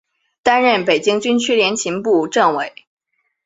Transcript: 担任北京军区联勤部政委。